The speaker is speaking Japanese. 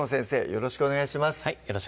よろしくお願いします